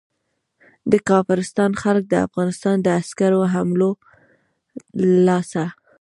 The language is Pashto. د کافرستان خلک د افغانستان د عسکرو حملو له لاسه.